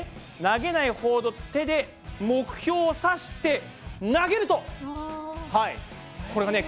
投げないほうの手で目標を指して投げるとはいこれがね